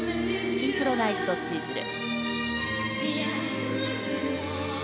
シンクロナイズドツイズル。